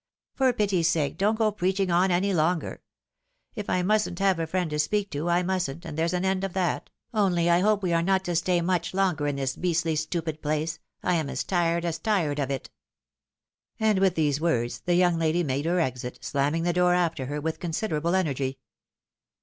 " For pity's sake, don't go preaching on any longer. If I mustn't have a friend to speak to, I mustn't, and there's an end of that — only I hope we are not to stay much longer in this beastly stupid place — I am as tired as tired of it." And with these words the young lady made her exit, slamming the door after her with considerable energy.